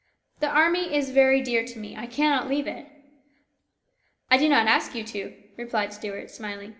The army is very dear to me. I cannot leave it." " I do not ask you to," replied Stuart, smiling.